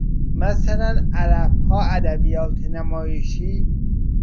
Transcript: مثلاً عربها ادبیات نمایشی